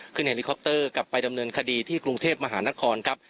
เฮลิคอปเตอร์กลับไปดำเนินคดีที่กรุงเทพมหานครครับ